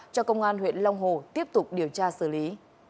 cho công an huyện long hồ tiếp tục điều tra xử lý